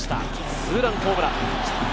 ツーランホームラン。